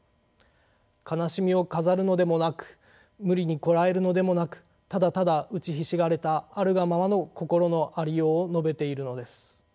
悲しみを飾るのでもなく無理にこらえるのでもなくただただ打ちひしがれたあるがままの心のありようを述べているのです。